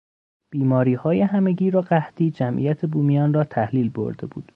بیماریهای همهگیر و قحطی جمعیت بومیان را تحلیل برده بود.